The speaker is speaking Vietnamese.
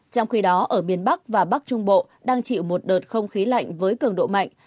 trong khi đó ở miền bắc và bắc trung bộ đang chịu một đợt không khí lạnh với cường độ mạnh